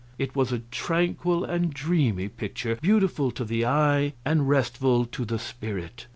It was a tranquil and dreamy picture, beautiful to the eye and restful to the spirit.